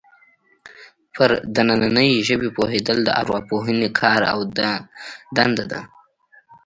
پر دنننۍ ژبې پوهېدل د ارواپوهنې کار او دنده ده